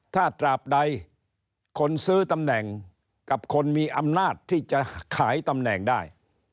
ถ้าตราบใดคนซื้อตำแหน่งกับคนมีอำนาจที่จะขายตำแหน่งได้